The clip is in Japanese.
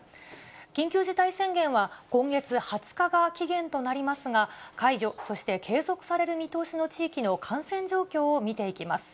緊急事態宣言は今月２０日が期限となりますが、解除、そして継続される見通しの地域の感染状況を見ていきます。